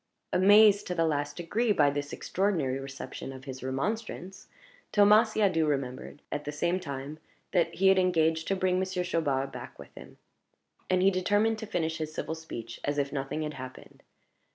Amazed to the last degree by this extraordinary reception of his remonstrance, Thomas Siadoux remembered, at the same time, that he had engaged to bring Monsieur Chaubard back with him; and he determined to finish his civil speech as if nothing had happened.